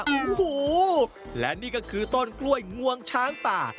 โอ้โหและนี่ก็คือต้นกล้วยงวงช้างป่า